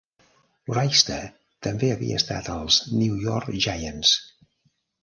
Wrighster també havia estat als New York Giants.